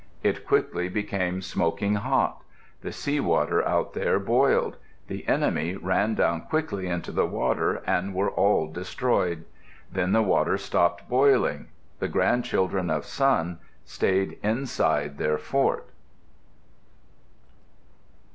It quickly became smoking hot. The sea water out there boiled. The enemy ran down quickly into the water and were all destroyed. Then the water stopped boiling. The grandchildren of Sun stayed inside their fort.